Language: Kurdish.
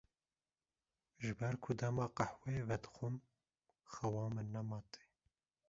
Ji ber ku dema qehweyê vedixwim xewa min nema tê.